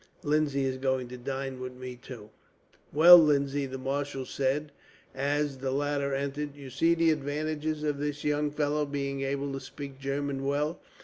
Lindsay is going to dine with me, too." "Well, Lindsay," the marshal said, as the latter entered, "you see the advantages of this young fellow being able to speak German well.